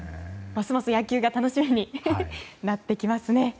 ますます野球が楽しみになりますね。